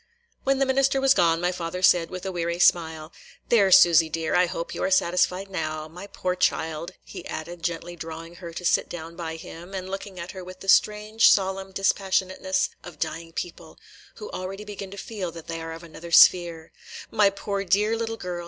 When the minister was gone, my father said, with a weary smile: "There, Susy dear, I hope you are satisfied now. My poor child," he added, gently drawing her to sit down by him, and looking at her with the strange, solemn dispassionateness of dying people, who already begin to feel that they are of another sphere, – "my poor dear little girl!